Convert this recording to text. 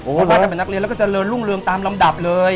โอ้หรือแล้วก็จะเลินรุ่งเรืองตามลำดับเลย